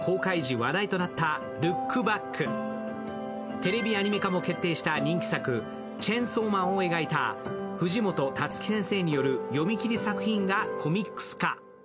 テレビアニメ化も決定した人気作、「チェンソーマン」を描いた藤本タツキ先生による読み切り作品がコミックス化。